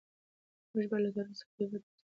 موږ باید له تاریخ څخه د عبرت درسونه واخلو.